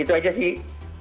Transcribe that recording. itu aja sih